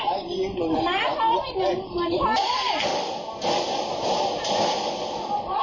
เอ้ยดูน้ำของไม่ถึงเหมือนคร่อยไง